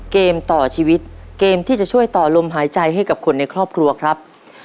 เกมต่อชีวิตเกมที่จะช่วยต่อลมหายใจให้กับคนในครอบครัวครับ